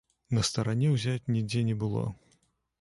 На старане ўзяць нідзе не было.